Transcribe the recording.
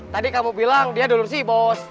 tadi kamu bilang dia dulur si bos